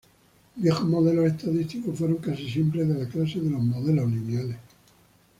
Viejos modelos estadísticos fueron casi siempre de la clase de los modelos lineales.